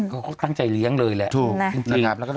เขาก็ตั้งใจเลี้ยงเลยแหละ